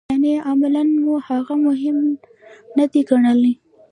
یعنې عملاً مو هغه مهم نه دی ګڼلی.